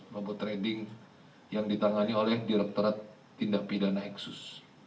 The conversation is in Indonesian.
robot trading yang ditangani oleh direkturat tindak pidana eksus